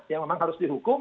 yang memang harus dihukum